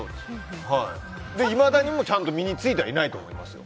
で、いまだにちゃんと身に付いてはいないと思いますよ。